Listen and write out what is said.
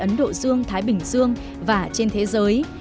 ấn độ dương thái bình dương và trên thế giới